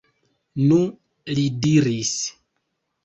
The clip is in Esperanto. Nu, li diris.